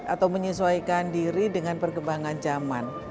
atau menyesuaikan diri dengan perkembangan zaman